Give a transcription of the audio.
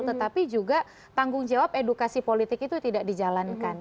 tetapi juga tanggung jawab edukasi politik itu tidak dijalankan